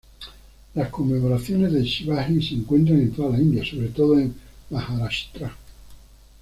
Las conmemoraciones de Shivaji se encuentran en toda la India, sobre todo en Maharashtra.